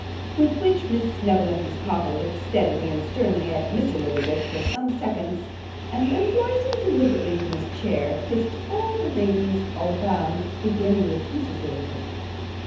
With which Miss Snevellicci's papa looked steadily and sternly at Mr. Lillyvick for some seconds, and then rising deliberately from his chair, kissed the ladies all round, beginning with Mrs. Lillyvick.